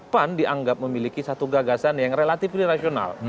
pan dianggap memiliki satu gagasan yang relatif rasional